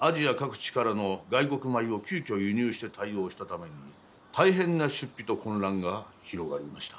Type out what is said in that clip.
アジア各地からの外国米を急きょ輸入して対応したために大変な出費と混乱が広がりました。